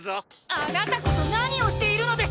あなたこそ何をしているのです